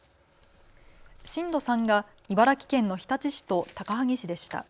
震度３が茨城県の日立市と高萩市でした。